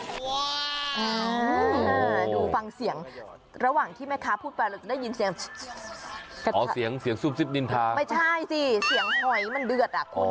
ดูฟังเสียงระหว่างที่แม่ค้าพูดไปได้ยินเสียงอ๋อเสียงเสียงซุบซิบนินทางไม่ใช่สิเสียงหอยมันเดือดอ่ะคุณ